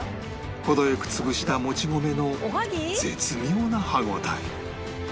程良く潰したもち米の絶妙な歯応え